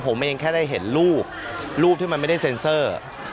ผมเองแค่ได้เห็นรูปรูปที่มันไม่ได้เซ็นเซอร์